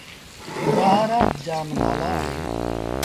گآه رآ جآم نآلآ اهيݩ۔